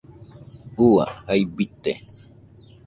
Ua, jai bite